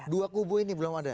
dua kubu ini belum ada